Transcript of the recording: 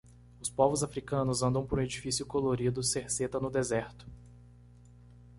Os povos africanos andam por um edifício colorido cerceta no deserto.